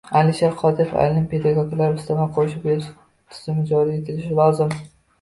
Alisher Qodirov: “Ayrim pedagoglarga ustama qo‘shib berish tizimi joriy etilishi lozim”